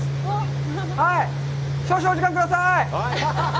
少々お時間ください。